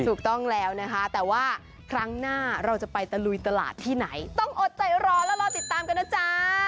ถูกต้องแล้วนะคะแต่ว่าครั้งหน้าเราจะไปตะลุยตลาดที่ไหนต้องอดใจรอแล้วรอติดตามกันนะจ๊ะ